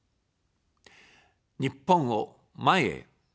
日本を、前へ。